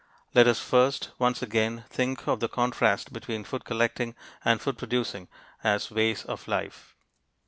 Let us first, once again, think of the contrast between food collecting and food producing as ways of life.